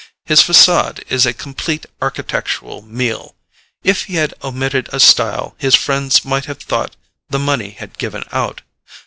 His facade is a complete architectural meal; if he had omitted a style his friends might have thought the money had given out.